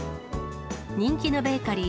人気のベーカリー